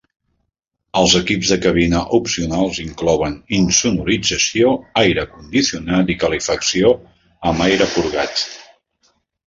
Els equips de cabina opcionals inclouen insonorització, aire condicionat i calefacció amb aire purgat.